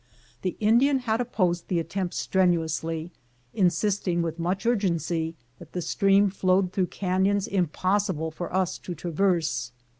The Indian had opposed the attempt strenuously, insisting with much urgency that the stream flowed through canyons impossible for us to traverse.